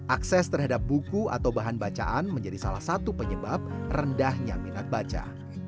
akses terhadap buku atau bahan bacaan menjadi salah satu penyebab rendahnya minat baca